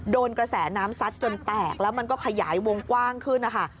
โดนกระแสน้ำซัดจนแตกแล้วมันก็ขยายวงกว้างขึ้นนะคะ